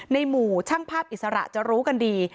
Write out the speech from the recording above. ในหมู่ช่างภาพอิสระจะรู้กันดี